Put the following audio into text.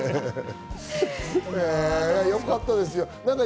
よかったですよ。